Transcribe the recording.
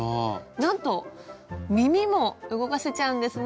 なんと耳も動かせちゃうんですね。